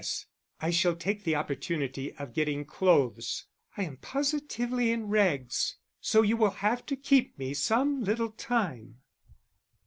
_ P.S. _I shall take the opportunity of getting clothes (I am positively in rags), so you will have to keep me some little time.